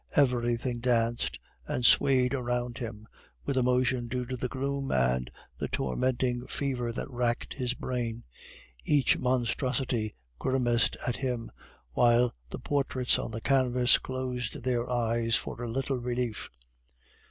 Everything danced and swayed around him, with a motion due to the gloom and the tormenting fever that racked his brain; each monstrosity grimaced at him, while the portraits on the canvas closed their eyes for a little relief.